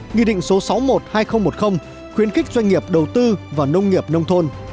nghị định số sáu mươi một hai nghìn một mươi khuyến khích doanh nghiệp đầu tư vào nông nghiệp nông thôn